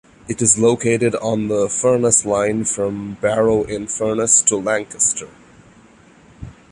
It is located on the Furness Line from Barrow-in-Furness to Lancaster.